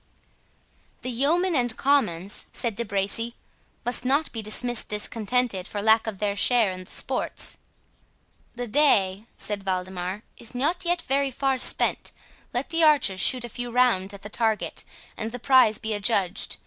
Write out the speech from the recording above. "The yeomen and commons," said De Bracy, "must not be dismissed discontented, for lack of their share in the sports." "The day," said Waldemar, "is not yet very far spent—let the archers shoot a few rounds at the target, and the prize be adjudged.